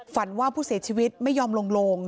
ว่าผู้เสียชีวิตไม่ยอมลง